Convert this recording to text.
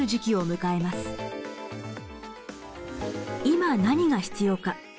今何が必要か。